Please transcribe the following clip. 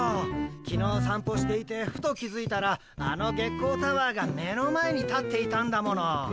きのうさんぽしていてふと気づいたらあの月光タワーが目の前に立っていたんだもの。